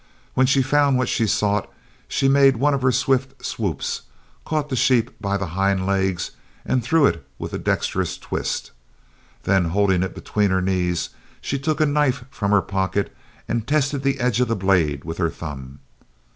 When she found what she sought, she made one of her swift swoops, caught the sheep by the hind leg and threw it with a dextrous twist. Then holding it between her knees, she took a knife from her pocket and tested the edge of the blade with her thumb.